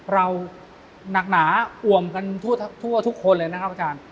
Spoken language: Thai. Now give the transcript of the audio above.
หนักหนาอ่วมกันทั่วทุกคนเลยนะครับอาจารย์